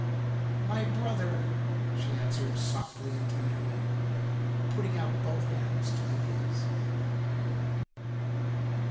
"My brother!" she answered softly and tenderly, putting out both hands to meet his.